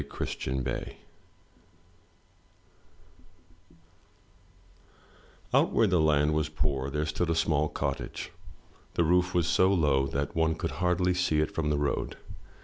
Christian Bay* Out where the land was poor there stood a small cottage. The roof was so low that one could hardly see it from the road.